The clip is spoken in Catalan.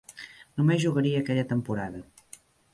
Només jugaria aquella temporada.